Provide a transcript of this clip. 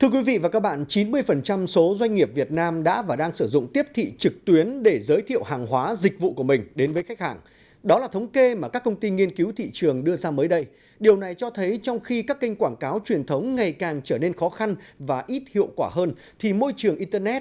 các bạn hãy đăng ký kênh để ủng hộ kênh của chúng mình nhé